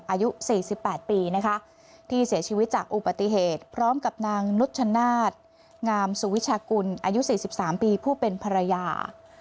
อายุสี่สิบแปดปีนะคะที่เสียชีวิตจากอุบัติเหตุพร้อมกับนางนุชชะนาดงามสุวิชากุลอายุสี่สิบสามปีผู้เป็นภรรยา